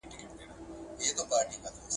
هغومره اوږدیږي .